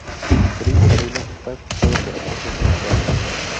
Chris Savino fue acusado por acoso sexual.